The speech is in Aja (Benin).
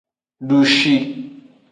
Dushi.